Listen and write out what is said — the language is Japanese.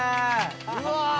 うわ！